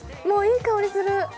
もういい香りする。